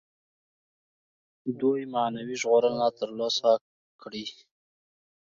دوی معنوي ژغورنه تر لاسه کړي.